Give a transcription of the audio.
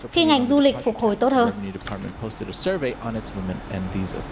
khi ngành du lịch phục hồi tốt hơn